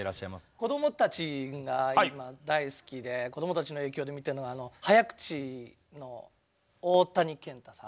子供たちが今大好きで子供たちの影響で見てるのが早口の大谷健太さん。